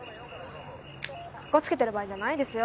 カッコつけてる場合じゃないですよ。